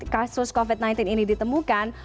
kasus covid sembilan belas ini ditemukan